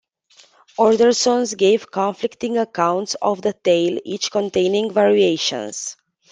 Orderson gave "conflicting accounts" of the tale, each containing variations.